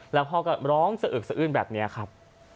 แล้วพ่อก็ร้องสะอึกสะอื้นแบบนี้ครับ